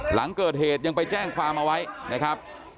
หลังเกิดเหตุยังไปแจ้งความเอาไว้นะครับ